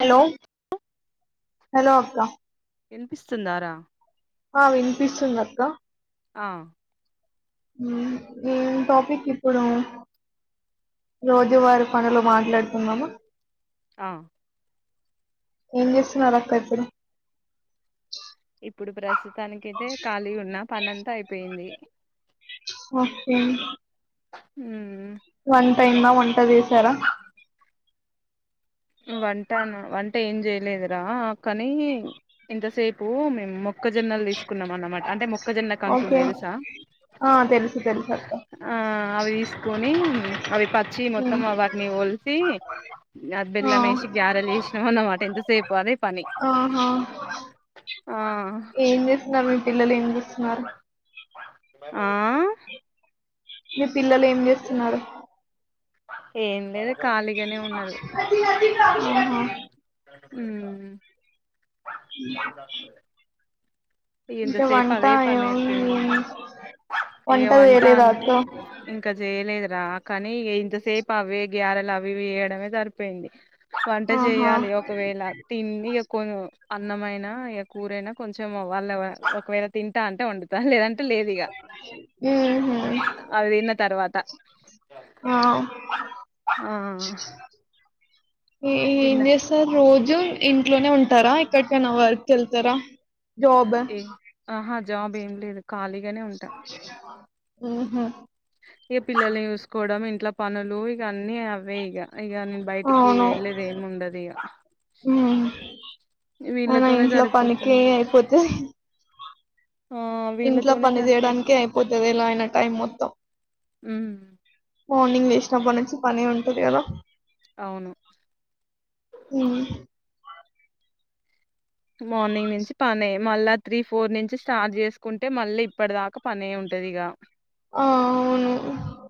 Hello అక్క ఇనిపిస్తుందా రా ఆ వినిపిస్తుంది అక్క ఆ ఉమ్ ఈ టాపిక్ ఇప్పుడు రోజు వర పనులు మాట్లాడుకున్నాము ఆ ఏం చేస్తున్నార్ అక్క ఇప్పుడు ఇప్పుడు ప్రస్తుతానికి అయితే ఖాళీ ఉన్న పని అంతా అయిపోయింది ఒకే ఉమ్ వంట అయిందా వంట చేశారా వంటన వంట ఏం చేయలేదురా కానీ ఇంతసేపు మేము మొక్కజొన్నలు తీసుకున్నాం అన్నమాట అంటే మొక్కజొన్న కాంకులు ఓకే తెలుసా ఆ తెలుసు తెలుసు అక్క ఆ అవి తీసుకొని అవి పచ్చివి మొత్తం మ్మ్ వాటిని వొలిసి అ ఆ బెల్లమేసి గ్యారెలు చేసినాం అన్నమాట ఎంతసేపు అదే పని ఆహా ఆ ఏం చేస్తున్నారు మీ పిల్లలు ఏం చేస్తున్నారు ఆ మీ పిల్లలు ఏం చేస్తున్నారు ఏం లేదు ఖాళీగానే ఉన్నారు ఆహా ఉమ్ ఇంతా ఇంకా సేప్ వంట అదే పని ఏం అయిపోయింది ఇగ వంట చేయలేదా అక్క అంటే ఇంకా చేయలేద్ దా కానీ ఈ ఇంతసేపు అవి గ్యారెలు అవి ఇవి వేయడమే సరిపోయింది వంట ఆహా చేయాలి ఒకవేళ తిని ఇగో కొ అన్నమైనా ఇగ కూరైనా కొంచెం వాళ్ళ వా ఒకవేళ తింటా అంటే వండుతా లేదంటే లేదు ఇగ మ్మ్ హ్మ్ అవి తిన్న తర్వాత ఆ ఆ ఎ ఏం తిన్నా చేస్తారు రోజు ఇంట్లోనే ఉంటారా ఎక్కడికైనా వర్క్ కెళ్తారా జాబ్ ఏ ఆహా జాబ్ ఏం లేదు ఖాళీగానే ఉంటా ఉమ్ హ్మ్ ఇగ పిల్లల్ని చూసుకోవడం ఇంట్లో పనులు ఇగ అన్నీ అవే ఇగ ఇగ నేను బయటికి అవును వెళ్ళలేది ఏమి ఉండదు ఇగ మ్మ్. అయినా వీళ్ళతోనే ఇంట్లో పనికి సరిపోతుంది ఇగ అయిపోతది ఆ ఇంట్లో వీళ్ళతోనే పని సరిపోతుంది చేయడానినికిే అయిపోతది ఎలా అయిన టైం మొత్తం ఉమ్ మార్నింగ్ లేషినప్పటి నుంచి పనే ఉంటది కాదా అవును మ్మ్. మార్నింగ్ నుంచి పనే మళ్ళా త్రీ ఫోర్ నుంచి స్టార్ట్ చేసుకుంటే మళ్ళీ ఇప్పటి దాకా పనే ఉంటది ఇగ ఆ అవును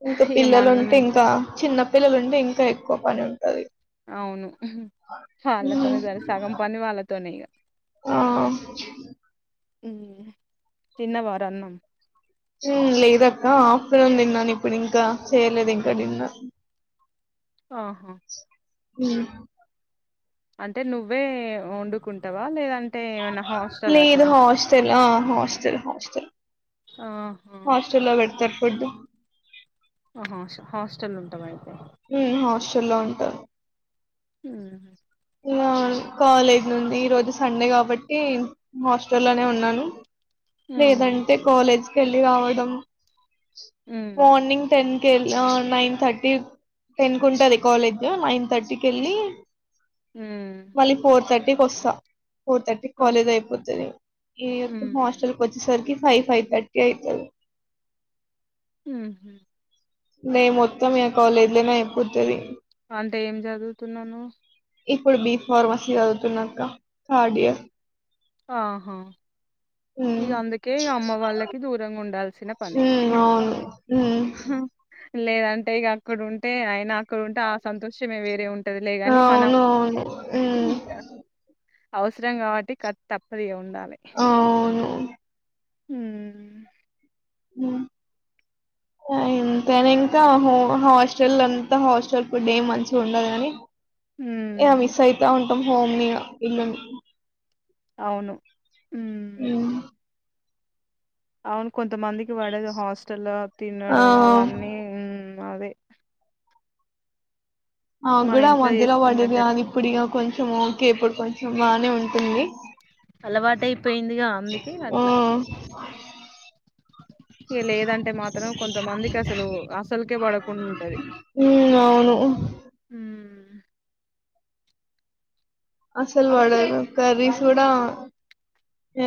ఇంకా ఇగ పిల్లలు మనం ఉంటే ఇంకా చిన్న పిల్లలుంటే ఇంకా ఎక్కువ పని ఉంటది అవును వాళ్ళతోనే సరే సగం పని వాళ్ళతోనే ఇగ ఆ తినవురా అన్నం లేదుఅక్క ఆఫ్టర్నూన్ తిన్నాను ఇప్పుడు ఇంకా చేయలేదు ఇంకా డిన్నర్ ఆహా హు అంటే నువ్వే వండుకుంటావా లేదంటే ఏమైనా హాస్టల్ లేదు అట్లా హాస్టల్ ఆ హాస్టల్ హాస్టల్ ఆహా హాస్టల్లో పెడతారు ఫుడ్ ఆ హ హాస్టల్ ఉంటావా అయితే ఉమ్ హాస్టల్లో ఉంటారు హ ఇగ కాలేజ్ నుడి ఈ రోజు సండే కాబట్టి హాస్టలోనే ఉన్నాను ఉమ్ లేదంటే కాలేజ్ కి వెళ్ళి రావడం ఉమ్ morning ten nine thirty ten కు ఉంటది కాలేజ్ నైన్ థర్టీ కి వెళ్ళి హ మళ్ళీ ఫోర్ వస్తా ఫోర్ థర్టీ కాలేజ్ అయిపోతుంది ఈ ఉమ్ హాస్టల్ కి వచ్చేసరికి ఫైవ్ ఫైవ్ థర్టీ అయితది హ మే మొత్తం ఇగా కాలేజ్లోనే అయిపోతది అంటే ఏం చదువుతున్నావ్ నువ్వు ఇప్పుడు బీఫార్మసీ చదువుతున్న అక్క థార్డ్ ఇయర్ ఆహా ఇగ అందుకే ఇగ అమ్మ వాళ్ళకి దూరంగా ఉండాల్సిన పని మ్మ్ అవును మ్మ్ లేదంటే ఇక అక్కడ ఉంటే అయినా అక్కడ ఉంటే ఆ సంతోషమే వేరే ఉంటా ది లే కానీ మనం అవును అవును ఉమ్ అవసరం కాబట్టి క తప్పదిగా ఉండాలి అవును మ్మ్ మ్మ్ ఇంతని ఇంకా హాస్టల్ అంతా హాస్టల్ ఫుడ్ ఏం మంచిగా ఉండదు కాని ఏ ఉమ్, మిస్ అయితా ఉంటాం హోమ్ మీ ఇగా ఇల్లు ని అవును ఉమ్ ఉమ్మ్ అవును కొంతమందికి పడదు హాస్టల్ లా ఆ తినడం అవన్నీ అదే మన నాక్కూడా ఇంట్లో మధ్యలో వాడేది చేసుకున్నట్టు కాదు ఎట్లా ఇప్పుడు ఇగా కొంచెం కొంచెం ఓకే ఇప్పుడు కొంచెం బానే ఉంటుంది అలవాటయిపోయిందిగా అందుకే ఆ అట్లా ఇ లేదు లేదంటే మాత్రం కొంతమందికి అసలు అసలుకే పడకుండా ఉంటంది ఉమ్ అవును అసలు వాడదు కర్రీస్ కూడా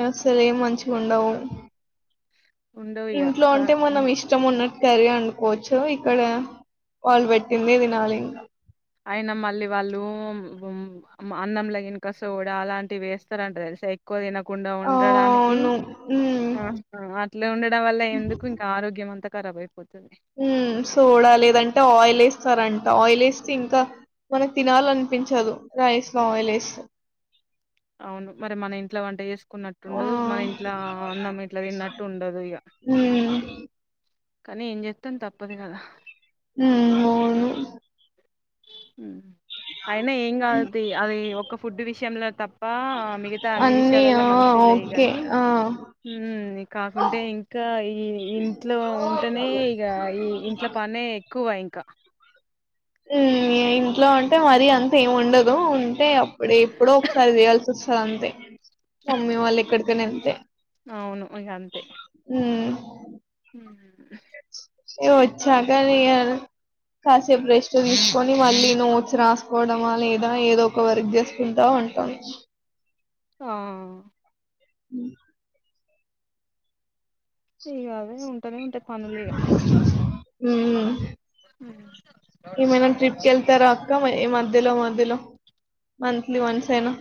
అసలు ఏం మంచిగా ఉండవు ఉండవు ఇగ ఇంట్లో అంటే క మనం ఇష్టం ఉన్నట్టు కర్రీ వండుకోవచ్చు ఇక్కడ వాళ్ళు పెట్టిందే తినాలి అయినా మళ్ళీ వాళ్ళు అన్నంలాగినకా సోడ అలాంటివి వేస్తారంటారు ఎక్కువ తినకు కుండా ఉండడానికి అవును ఉమ్ అట్లా ఉండడం వల్ల ఎందుకు ఇంకా ఆరోగ్యం అంత కరాబ్ అయిపోతాది ఉ సోడా లేదంటే ఆయిల్ వేస్తారంట ఆయిల్ వేస్తే ఇంకా మనకి తినాలి అనిపించదు రైస్ లో ఆయిల్ వేస్తే అవును మరి మన ఇంట్లో వంట చేసుకున్నట్టు ఆ ఉండదు మన ఇంట్ల అన్నం ఇంట్లా తిన్నట్టు ఉండదు ఇక ఉమ్ కనీ ఏం చెస్తామ్ తప్పదు కదా హుమ్ అవును హు అయినా ఏం కాదుది అది ఒక ఫుడ్ విషయంలో తప్పా మిగతా అన్ని అన్నీ విషయాలల్లో ఆ మంచి చెగయి ఓకే గానీ ఆ ఉమ్ కాకుంటే ఇంకా ఈ ఇంట్లో ఉంటేనే ఇక ఈ ఇంట్లో పనే ఎక్కువ ఇంక మ్ ఇంట్లో అంటే మరీ అంత ఏం ఉండదు అంటే అప్పుడే ఎప్పుడో ఒకసారి చేయాల్సి వస్తది అంతే మమ్మీ వాళ్ళు ఎక్కడికైన వెల్తె అవును ఇగ అంతె నే వచ్చాగ నిగా కాసేపు రెస్ట్ తీసుకొని మళ్ళీ నోట్స్ రాసుకోవడ మా లేదా ఏదో ఒక వర్క్ చేసుకుంటా ఉంటాం హా ఉ ఇగ అవే ఉంటనే ఉంటయి పనులిగ ఉమ్ ఏమైన ట్రిప్కెళ్తార అక్క మ మధ్యలో మధ్యలో మంత్లీ వన్స్ అయినా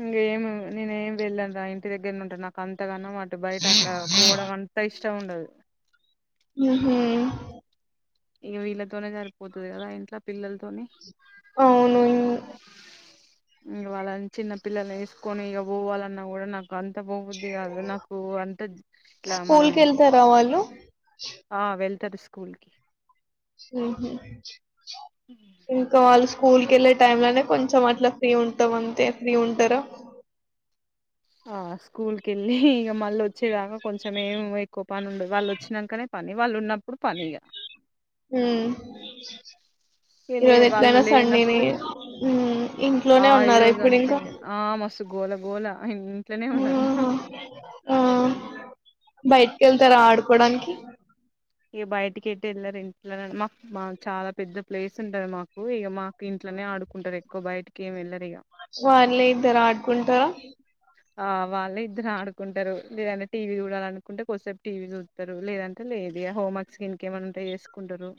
ఇంకేమి నేనేం వెళ్ళన్రా ఇంటి దగ్గర ఉండరా నాకు అంతగాన బయట అట్ల పోవడం అంత ఇష్టము ఉండదు ఉహు ఇక వీళ్ళతోనే సరిపోతది కదా ఇంట్లో పిల్లలతోనే అవును ఇంక వాళ్ళ చిన్న పిల్లలు వేసుకొని ఇక పోవాలన్నా కూడా నాకు అంత అట్ల పోవుద్ది కాదు నాకు అంత ఇట్ల స్కూల్ మనం కి వెళ్తారా వాళ్ళు ఆ వెళ్తార్ స్కూల్కి ఇంక వాల్ స్కూల్ కెళ్ళే టైమ్ లోనే కొంచెం అట్లా ఫ్రీ ఉంటాం అంతే ఫ్రీ ఉంటార ఆ స్కూల్ కెళ్ళి ఇక మళ్ళీ వచ్చేదాక కొంచం ఏమి ఎక్కువ పని ఉండే వాళ్ళు వచ్చినాకనే పని వాళ్ళు ఉన్నప్పుడు పని ఇక హుమ్ ఇగ లే ఈరోజ వాళ్ళు ఎట్లయినా సండేనే లేనప్పుడు ఇగ ఇంట్లోనే ఉన్నారా ఇప్పుడు ఇంకా అర్చి మస్తు గోళ గోళ ఆ ఇంట్లోనే ఉన్నారు ఆహా ఆ బయటి కెళ్తార ఆడుకోడానికి ఇక బయటికి ఎటు వెళ్ళారు ఇంట్లో మా మా చాలా పెద్ద ప్లేస్ ఉంటది మాకు ఇక మాకు ఇంట్లోనే నె ఆడుకుంటారు ఎక్కువ బయటకి ఏం వెళ్ వాళ్లె ఇద్దార్ ఆడుకుంటారా ఆ వాళ్ళే ఇద్దరు ఆడుకుంటారు లేద్ అంటే టీవీ చూడాలనుకుంటే కొద్దిసేపు టీవీ చూస్తారు లేదంటే లేదె ఆ హోమ్వర్క్స్ ఇంకేమై ఉంటా చేసుకుంటారు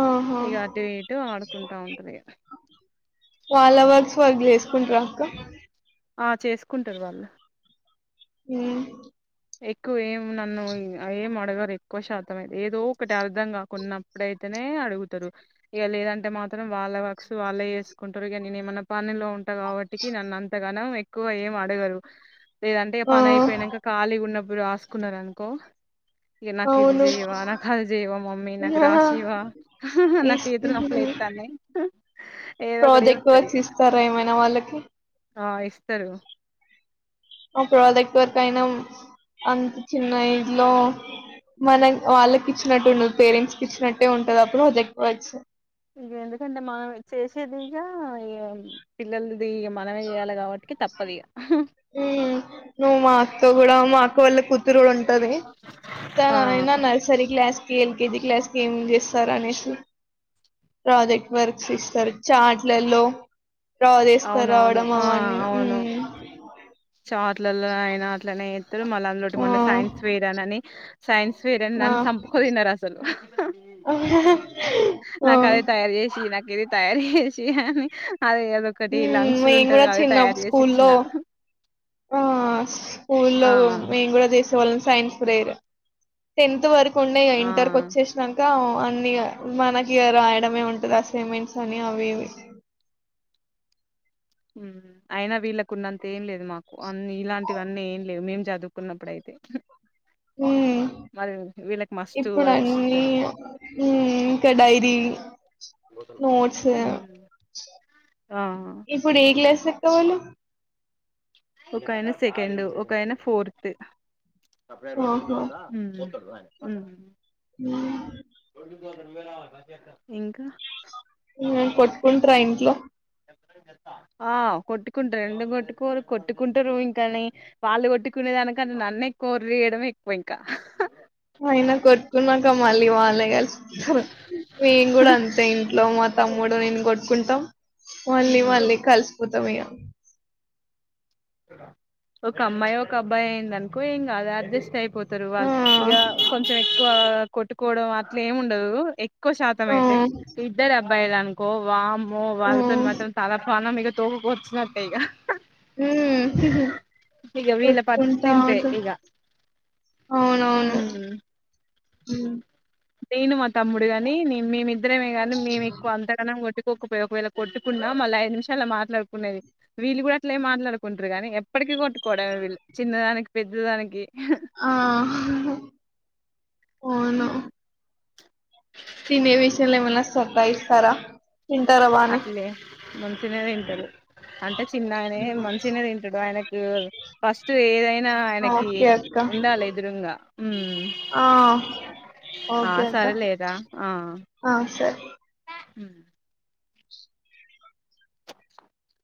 ఆహా ఇక అటు ఇటు ఆడుకుంటా ఉంటారు ఇక వాళ్ళ వర్క్ వాళ్లు చేసుకుంటారా అక్క ఆ చేసుకుంటారు వాళ్ళు ఉమ్ ఎక్కువ ఏం నన్ను ఏం అడగరు ఎక్కువ శాతం ఏదో ఒకటి అర్ధం కాకున్నప్పుడుయితే నే అడుగుతరు. ఇక లేదంటే మాత్రం వాళ్ళ వక్సు వాళ్ళే చేసుకుంటారు, ఇక నేను ఏమన్నా పనిలో ఉంటే కాబట్టి కి నన్నంతగనం ఎక్కువ ఏం అడగరు లేదంటే ఆ పని అయిపోయినంక కాలీగా న్నప్పుడు రాసుకున్నారు అనుకో నాకు ఇది అవును జెయ్వవా నాకు అది జెయ్యవా మమ్మీ నాకు ఆహా రాసీవా నాకు ఇస్ చేతులు నొప్ లేత్తాన్నయ్. ఏదో ఒకటి ప్రాజెక్ట్ చెపుతరిగ వర్క్స్ ఇస్తారా ఏమైనా వాళ్ళకి ఆ ఇస్తరు ఆ ప్రోజెక్ట్ వర్క్ అయినం అంత చిన్న ఇల్లో మనం వాళ్ళకి ఇచ్చినట్టు ఉండ పేరెంట్స్కి ఇచ్చినట్టే ఉంటది అప్పుడు దెక్కొవచ్చు. ఇక ఎందుకంటే మనం చేసేదిగా ఇగ పిల్లలు మనమే చేయ్యాలి కాబట్టి కితప్పది ఉమే నువ్వు మా అక్కతో కూడా మా అక్క వాల్ల కూతురు ఉంటది తను ఆ అయినా నర్సరీ క్లాస్ కి ఎల్కేజీ క్లాస్ కి ఏం చేస్తారు అనేసి అదే వర్క్స్ ఇస్తారు చాట్లలో తర్ అవునవును కరవడం ఆ అవన్నీ అవును మ్ చాట్లలో అయిన అట్లనేత్తరు. మళ్ళా అందులోటి ఆ మొన్న సైన్స్ స్క్వేర్ అనని సైన్స్ స్క్వేర్ అని ఆ నన్ సంపుకు తిన్నారు అసలు ఆ నాకు ఉమ్, అది తయారు చేసి నాకు ఇది తయారు చేసి అని అదే అదొకటి లంగ్స్ మేము ఉంటది కూడా కదా అది చిన్న తయారు చేసి ఇచ్చిన స్కూల్లో ఆ స్కూల్లో ఆ మేమ్ కూడా జేస్ ల సైన్స్ ప్రేయర్ టెన్త్ వరకు ఉండేగ ఆ ఇంటర్ కు వచ్చేసినంక అన్నీగ మనకి ఇగ రాయడమే ఉంటది అసైమెంట్స్ అని అవి ఇవి మ్ అయినా వీళ్ళకు ఉన్నంత ఏం లేదు మాకు అన్ని ఇలాంటివన్నీ ఏం లేవు మేం చదువుకున్నప్పుడు అయితే ఉమ్ మరి వీళ్ళకి మస్తు ఇప్పుడు వర్క్స్ అన్నీ ఇస్తారు మ్ ఇంకా డైరీ నోట్స్ ఆ ఇప్పుడు ఏ క్లాస్ చెట్టోళ్ళు ఒకాయనా సెకండ్ ఒకాయనా ఫోర్త్ ఆహా ఉమ్ ఉమ్ ఇంకా? మ్ కొట్కుంటర ఇంట్లో ఆ కొట్కుంటరూ ఎందుకు కొట్టు కోరు కొట్టుకుంటారు ఇంకాని వాళ్ళు కొట్టుకునేదానికన్ నన్నే ఎక్కువ ఒర్రి చేయడమే ఎక్కువ ఇంకా అయినా కొట్ట్కున్నాక మళ్ళీ వాళ్ళే కలిసి మేం కూడా అంతే ఇంట్లో మా తమ్ముడు నేను కొట్ట్కుంటాం. మళ్ళీ మళ్ళీ కలిసిపొతాం ఇగ ఒక అమ్మాయి ఒక అబ్బాయి అయిందన్కో ఇంగ అది అడ్జస్ట్ అయిపో తరు. వాళ్ ఇగ ఆ కొంచెం ఎక్కువ కొట్టుకోవడం అట్లా ఏమి ఉండదు ఎక్కువ శాతం ఆ! అయితే ఇద్దరు అబ్బాయిలు అనుకో వామ్మో ఆ! వాళ్ళతోని మాత్రం తలపానం తోకకు వచ్చినట్టే ఇగ మ్ పరిస్థితి ఇంతే కొట్కుంటాఉంట ఇక అవునవును హ్మ్ మ్ నేను మా తమ్ముడు గాని నే మేమిద్దరమే కానీ మేము ఎక్కువ అంతగానం కొట్టు ఒక ఒకవేళ కొట్టుకున్నా మళ్ళీ ఐదు నిమిషాల మాట్లాడుకునేది వీళ్ళు కూడా అట్లే మాట్లాడుకుంటారు కానీ ఎప్పటిక్ కి కొట్టుకోవడమే వీళ్ళు చిన్న దానికి పెద్ద దానికి ఆ అవును హ్మ్. తినే విషయంలో ఎమైన సతాయిస్థార? అట్లే మంచినే తింటరు అంటే చిన్నాయనే మంచినే తింటాడు ఆయనకు ఫస్ట్ ఏదైనా ఆయనకి ఓకే అక్క. ఉండాలి ఎదురుంగా హ్మ్ ఆ ఆ ఓకే అక్క సరేలేరా ఆ సరే ఊ